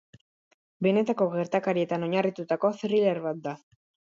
Benetako gertakarietan oinarritutako thriller bat da.